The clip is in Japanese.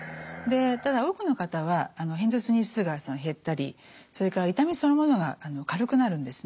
ただ多くの方は片頭痛日数が減ったりそれから痛みそのものが軽くなるんですね。